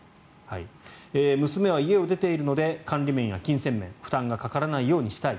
娘は家を出ているので管理面や金銭面負担がかからないようにしたい。